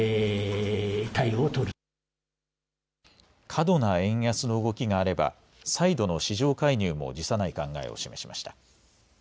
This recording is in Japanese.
過度な円安の動きがあれば再度の市場介入も辞さない考えを示しました。